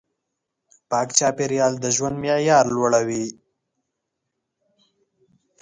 پاک چاپېریال د ژوند معیار لوړوي.